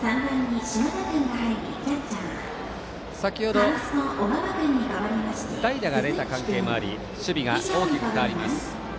先ほど代打が出た関係もあり守備が大きく変わります。